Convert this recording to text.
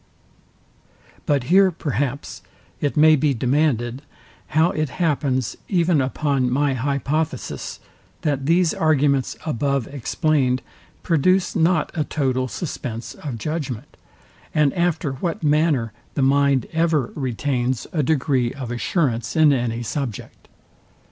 But here, perhaps, it may be demanded, how it happens, even upon my hypothesis, that these arguments above explained produce not a total suspense of judgment, and after what manner the mind ever retains a degree of assurance in any subject?